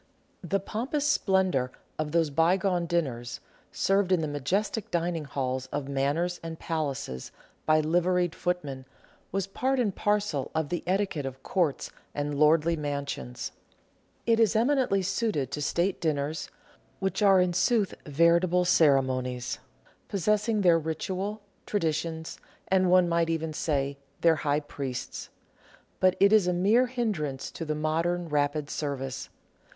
The pompous splendour of those bygone dinners, served in the majestic dining halls of Manors and Palaces, by liveried footmen, was part and parcel of the etiquette of Courts and lordly mansions. It is eminently suited to State dinners, which are in sooth veritable ceremonies, possessing their ritual, traditions, and — one might even say — their high priests ; but it is a mere hin drance to the modern, rapid service.